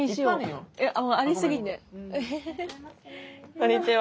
こんにちは。